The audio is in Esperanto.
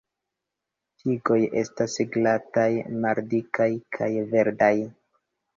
Tigoj estas glataj, maldikaj kaj verdaj.